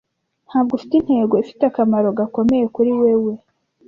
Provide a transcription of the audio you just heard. Ntabwo ufite intego ifite akamaro gakomeye kuri wewe,